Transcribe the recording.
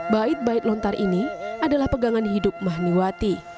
baik baik lontar ini adalah pegangan hidup mahniwati